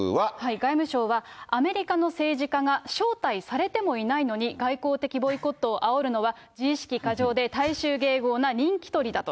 外務省はアメリカの政治家が、招待されてもいないのに、外交的ボイコットをあおるのは、自意識過剰で大衆迎合な人気取りだと。